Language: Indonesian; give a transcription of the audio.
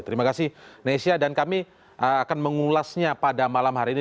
terima kasih nesya dan kami akan mengulasnya pada malam hari ini